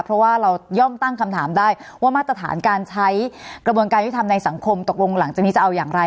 เพราะว่าเราย่อมตั้งคำถามได้ว่ามาตรฐานการใช้กระบวนการยุทธรรมในสังคมตกลงหลังจากนี้จะเอาอย่างไร